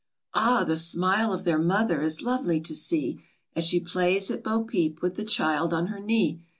Ah ! the smile of their Mother is lovely to see, As she plays at bo peep with the child on her knee.